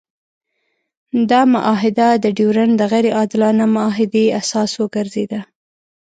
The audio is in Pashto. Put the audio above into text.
دا معاهده د ډیورنډ د غیر عادلانه معاهدې اساس وګرځېده.